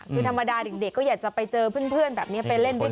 คือธรรมดาเด็กก็อยากจะไปเจอเพื่อนแบบนี้ไปเล่นด้วย